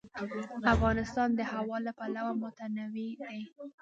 افغانستان د هوا له پلوه متنوع دی.